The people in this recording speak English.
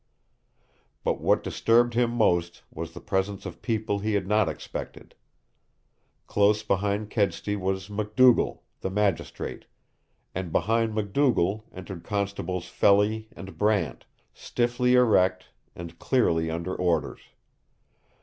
But what disturbed him most was the presence of people he had not expected. Close behind Kedsty was McDougal, the magistrate, and behind McDougal entered Constables Felly and Brant, stiffly erect and clearly under orders.